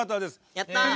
やった。